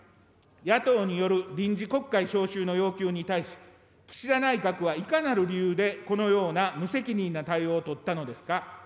野党による臨時国会召集の要求に対し、岸田内閣はいかなる理由でこのような無責任な対応を取ったのですか。